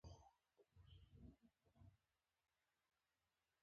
چرګان د آرام لپاره یو ځای ته ځي.